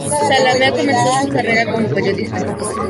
Zalamea comenzó su carrera como periodista.